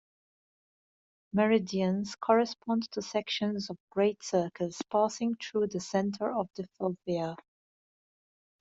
Meridians correspond to sections of great circles passing though the centre of the fovea.